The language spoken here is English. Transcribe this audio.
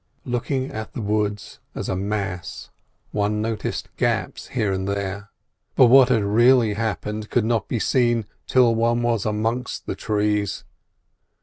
Looking at the woods as a mass, one noticed gaps here and there, but what had really happened could not be seen till one was amongst the trees.